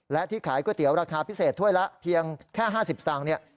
และที่ขายก๋วยเตี๋ยวราคาพิเศษถ้วยละเพียงแค่๕๐สตางค์เนี่ย